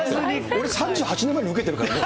俺、３８年前に受けてるからね。